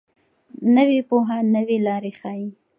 نوې پوهه نوې لارې ښيي.